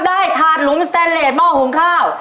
ได้ถาดหลุมสแตนเลสเมาะหุงข้าว